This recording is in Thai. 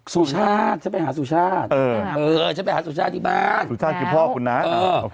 สู่ชาติจะไปหาสู่ชาติเออเออจะไปหาสู่ชาติที่บ้านสู่ชาติกับพ่อคุณนะเออ